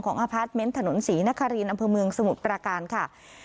อพาร์ทเมนต์ถนนศรีนครินอำเภอเมืองสมุทรประการค่ะ